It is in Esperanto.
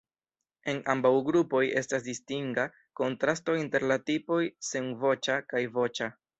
En ambaŭ grupoj estas distinga kontrasto inter la tipoj senvoĉa kaj voĉa.